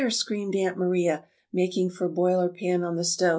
screamed Aunt Maria, making for Boiler Pan on the stove.